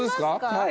はい。